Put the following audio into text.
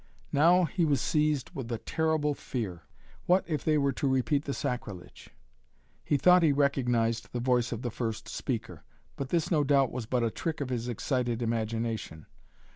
Now he was seized with a terrible fear. What, if they were to repeat the sacrilege? He thought he recognized the voice of the first speaker; but this no doubt was but a trick of his excited imagination.